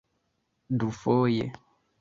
dufoje